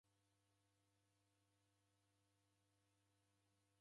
Ndew'ichemeria malagho nicha.